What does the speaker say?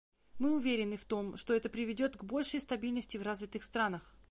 Мы уверены в том, что это приведет к большей стабильности в развитых странах.